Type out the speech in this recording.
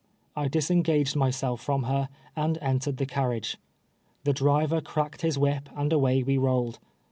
I disengaged myself from her, and entered the carriage. The driver cracked his whip and away we rolled.